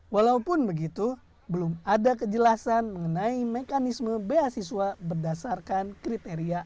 walaupun begitu belum ada kejelasan mengenai mekanisme beasiswa berdasarkan kriteria